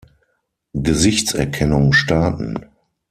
Gesichtserkennung starten.